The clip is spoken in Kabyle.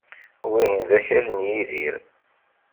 Wihin d akal n Yidir.